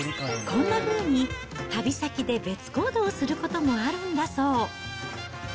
こんなふうに、旅先で別行動することもあるんだそう。